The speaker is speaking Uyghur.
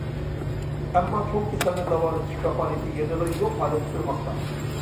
ئەمما چوڭ كېسەلنى داۋالىتىش كاپالىتى يەنىلا يوق ھالەتتە تۇرماقتا.